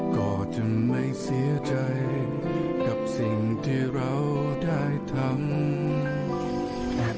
ก็จึงไม่เสียใจกับสิ่งที่เราได้ทำ